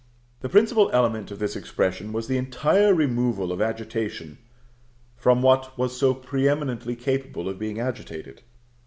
The principal element of this expression was the entire removal of agitation from what was so pre eminently capable of being agitated.